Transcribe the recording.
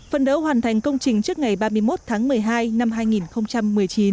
phân đấu hoàn thành công trình trước ngày ba mươi một tháng một mươi hai năm hai nghìn một mươi chín